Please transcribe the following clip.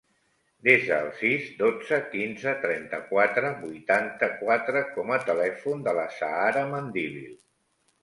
Desa el sis, dotze, quinze, trenta-quatre, vuitanta-quatre com a telèfon de l'Azahara Mendivil.